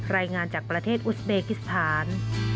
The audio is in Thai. รายงานจากประเทศอุสเบกิสถาน